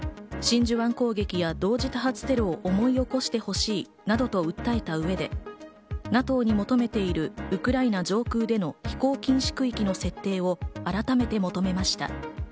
真珠湾攻撃や同時多発テロを思い起こしてほしいなどと訴えた上でＮＡＴＯに求めているウクライナ上空での飛行禁止区域の設定を改めて求めました。